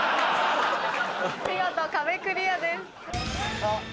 見事壁クリアです。